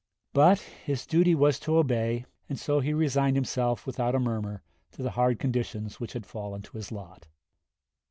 But, his duty was to obey, and so he resigned himself without a murmur to the hard conditions which had fallen to his lot.